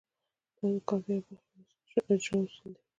دا د کار د یوې برخې اجرا اصول دي.